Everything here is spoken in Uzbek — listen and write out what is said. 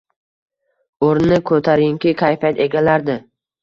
O’rnini koʻtarinki kayfiyat egallardi.